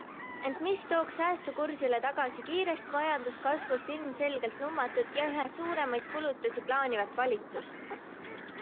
Ent mis tooks säästukursile tagasi kiirest majanduskasvust ilmselgelt lummatud ja üha suuremaid kulutusi plaanivat valitsust?